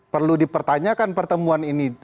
ini kan perlu dipertanyakan pertemuan ini